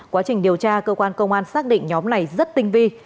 quá trình điều tra cơ quan công an xác định nhóm này rất tinh vi